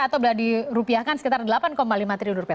atau dirupiahkan sekitar delapan lima triliun rupiah